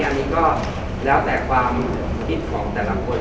อันนี้ก็แล้วแต่ความคิดของแต่ละคน